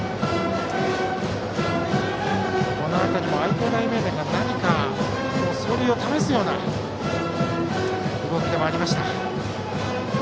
この辺りも愛工大名電が何か走塁を試すような動きでもありました。